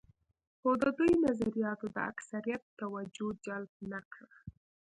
خو د دوی نظریاتو د اکثریت توجه جلب نه کړه.